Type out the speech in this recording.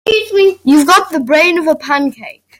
You've got the brain of a pancake.